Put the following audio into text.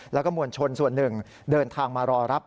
แล้วก็มวลชนส่วนหนึ่งเดินทางมารอรับ